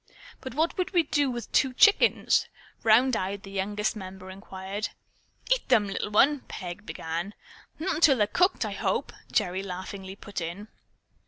"But what would we do with two chickens?" round eyed, the youngest member inquired. "Eat 'em, little one," Peg began. "Not till they're cooked, I hope," Gerry laughingly put in.